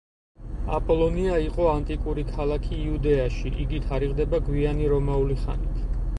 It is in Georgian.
აპოლონია იყო ანტიკური ქალაქი იუდეაში, იგი თარიღდება გვიანი რომაული ხანით.